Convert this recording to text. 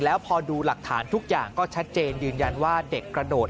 แล้วพอดูหลักฐานทุกอย่างก็ชัดเจนยืนยันว่าเด็กกระโดด